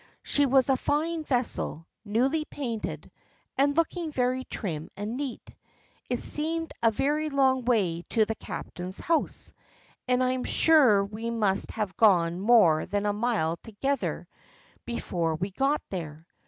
She was a fine vessel, newly painted, and looking very trim and neat. It seemed a very long way to the captain's house, and I am sure we must have gone more than a mile together before we got there.